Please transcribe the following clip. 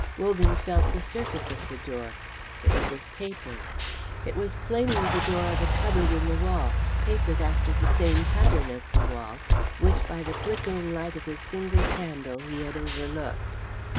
Wogan felt the surface of the door; it was of paper. It was plainly the door of a cupboard in the wall, papered after the same pattern as the wall, which by the flickering light of his single candle he had overlooked.